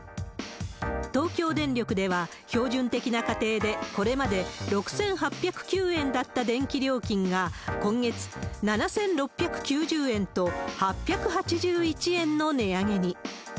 東京電力では、標準的な家庭でこれまで６８０９円だった電気料金が、今月、７６９０円と、８８１円の値上げに。